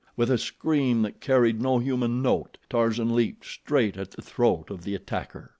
With a scream that carried no human note, Tarzan leaped straight at the throat of the attacker.